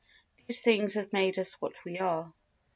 These things have made us what we are.